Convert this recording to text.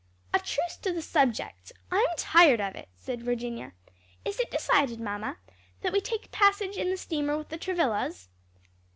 "A truce to the subject. I'm tired of it," said Virginia. "Is it decided, mamma, that we take passage in the steamer with the Travillas?"